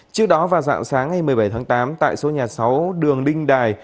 trước đó vào dạng sáng ngày một mươi bảy tháng tám tại số nhà sáu đường đinh đài